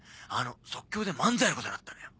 即興で漫才やることになったのよ。